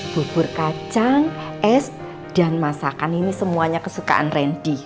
bubur kacang es dan masakan ini semuanya kesukaan randy